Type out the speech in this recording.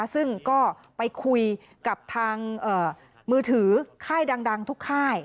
ซึ่งก็ไปคุยกับทางมือถือค่ายดังทุกค่าย